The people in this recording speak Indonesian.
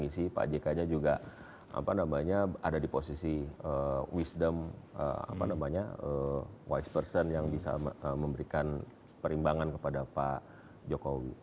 apa namanya ada di posisi wisdom apa namanya wise person yang bisa memberikan perimbangan kepada pak jokowi